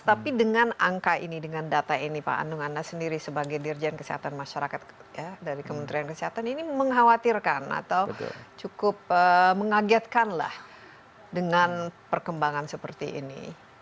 tapi dengan angka ini dengan data ini pak andung anda sendiri sebagai dirjen kesehatan masyarakat dari kementerian kesehatan ini mengkhawatirkan atau cukup mengagetkan lah dengan perkembangan seperti ini